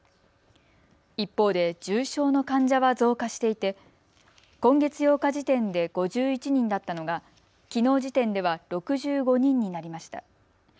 一方で重症の患者は増加していて今月８日時点で５１人だったのがきのう時点では６５人になりました。